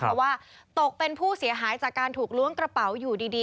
เพราะว่าตกเป็นผู้เสียหายจากการถูกล้วงกระเป๋าอยู่ดี